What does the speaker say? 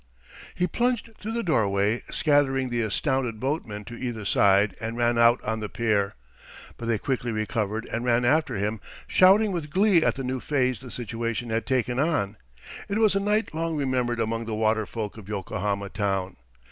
He plunged through the doorway, scattering the astounded boatmen to either side, and ran out on the pier. But they quickly recovered and ran after him, shouting with glee at the new phase the situation had taken on. It was a night long remembered among the water folk of Yokohama town.